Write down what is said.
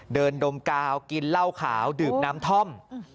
ดมกาวกินเหล้าขาวดื่มน้ำท่อม